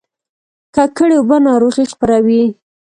ککړې اوبه ناروغي خپروي